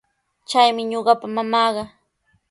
Chaymi ñuqapa mamaaqa.